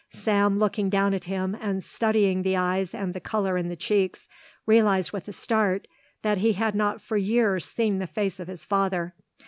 Sam, looking down at him and studying the eyes and the colour in the cheeks, realised with a start that he had not for years seen the face of his father.